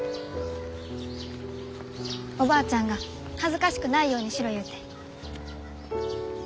おばあちゃんが恥ずかしくないようにしろ言うて。